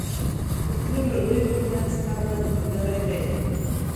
تر ټولو لوی دښمن ستا بد ملګری دی.